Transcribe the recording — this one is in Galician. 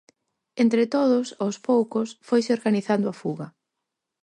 Entre todos, aos poucos, foise organizando a fuga.